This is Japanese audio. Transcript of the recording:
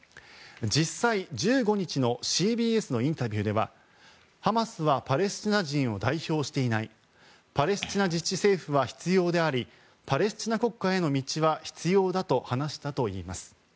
実際、１５日のＣＢＳのインタビューではハマスはパレスチナ人を代表していないパレスチナ自治政府は必要でありパレスチナ国家への道は必要だと話したといいます。